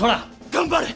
頑張れ！